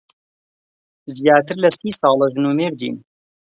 زیاتر لە سی ساڵە ژن و مێردین.